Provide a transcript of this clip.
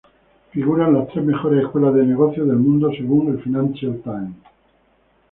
Figura en las tres mejores escuelas de negocio del mundo según el Financial Time.